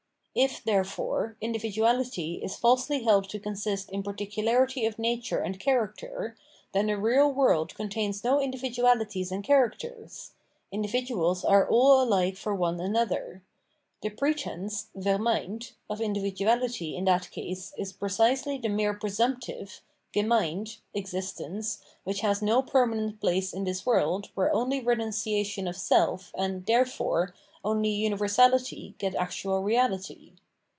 If, therefore, individuality is falsely held to consist in particularity of nature and character, then the real world contains no individu^ties and characters ; individuals are all alike for one ano|her ; the pretence {vermeint) of individuality in that lease is precisely the mere presumptive (gemeint) exis^nce which has no permanent place in this world where only renunciation of self and, therefore, only universality get actual reality.